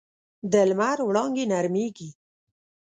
د لمر وړانګې نرمېږي